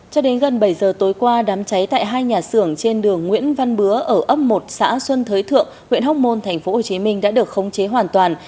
cho đến gần bảy giờ tối qua đám cháy tại hai nhà xưởng trên đường nguyễn văn bứa ở ấp một xã xuân thới thượng huyện hóc môn tp hcm đã được khống chế hoàn toàn